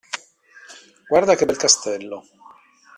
Guarda che bel castello!